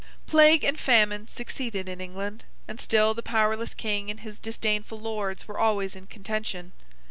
Plague and famine succeeded in England; and still the powerless King and his disdainful Lords were always in contention.